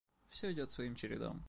Все идет своим чередом.